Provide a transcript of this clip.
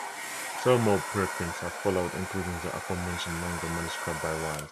Several more preprints have followed, including the aforementioned longer manuscript by Wise.